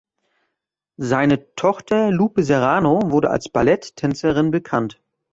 Seine Tochter Lupe Serrano wurde als Balletttänzerin bekannt.